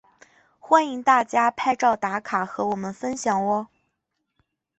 欢迎大家拍照打卡和我们分享喔！